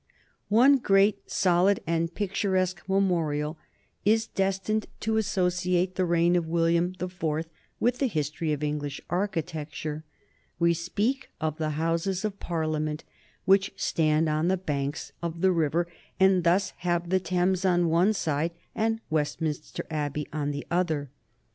[Sidenote: 1840 The new Houses of Parliament] One great, solid, and picturesque memorial is destined to associate the reign of William the Fourth with the history of English architecture. We speak of the Houses of Parliament which stand on the banks of the river, and thus have the Thames on one side and Westminster Abbey on the other.